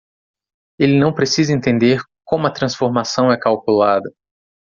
Ele não precisa entender como a transformação é calculada.